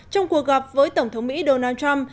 trong cuộc gặp với tổng thống mỹ donald trump